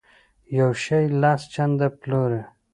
یو شی لس چنده پلوري.